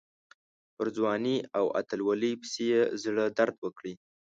پر ځوانۍ او اتلولۍ پسې یې زړه درد وکړي.